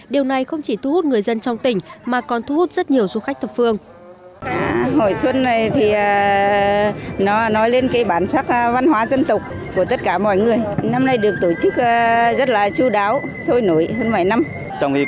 điều này không chỉ thu hút người dân trong tỉnh mà còn thu hút rất nhiều du khách thập phương